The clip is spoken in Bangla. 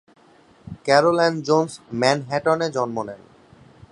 ক্যারল অ্যান জোন্স ম্যানহাটনে জন্ম নেন।